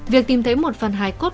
việc tìm thấy một phần hai cốt